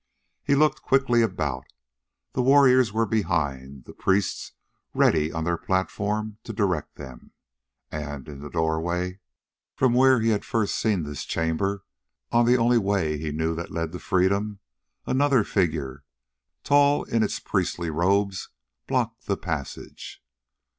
He looked quickly about. The warriors were behind, the priests ready on their platform to direct them. And in the doorway, from where he first had seen this chamber, on the only way he knew that led to freedom, another figure, tall in its priestly robes, blocked the passage.